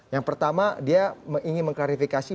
yang pertama dia ingin mengklarifikasi